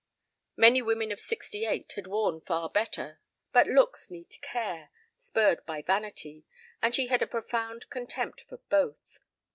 Many women of sixty eight had worn far better, but looks need care, spurred by vanity, and she had a profound contempt for both.